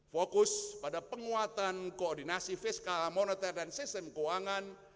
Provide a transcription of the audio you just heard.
fokus pada penguatan koordinasi fiskal moneter dan sistem keuangan